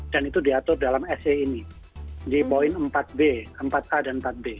dan itu diatur dalam se ini di poin empat b empat a dan empat b